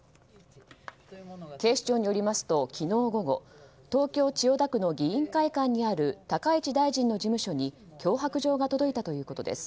警視庁によりますと昨日午後東京・千代田区の議員会館にある高市大臣の事務所に脅迫状が届いたということです。